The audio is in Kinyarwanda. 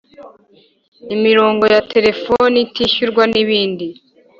imirongo ya telefoni itishyurwa n’ibindi.